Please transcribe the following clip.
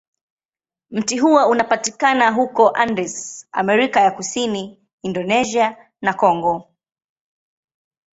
Mti huo unapatikana huko Andes, Amerika ya Kusini, Indonesia, na Kongo.